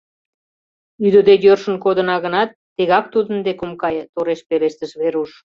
— Ӱдыде йӧршын кодына гынат, тегак тудын дек ом кае, — тореш пелештыш Веруш.